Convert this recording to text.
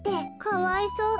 かわいそう。